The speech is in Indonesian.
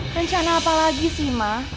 rencana apa lagi sih ma